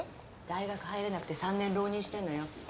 大学入れなくて３年浪人してんのよ。